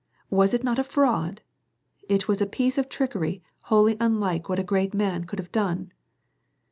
Was it not a fraud ? It was a piece of trickery wholly unlike what a great man could have done.''